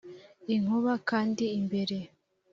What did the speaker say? inkuba kandi imbere